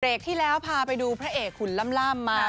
ที่แล้วพาไปดูพระเอกขุนล่ำมา